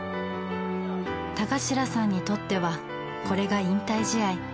田頭さんにとってはこれが引退試合。